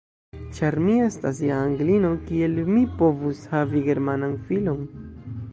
Ĉar mi estas ja Anglino, kiel mi povus havi Germanan filon?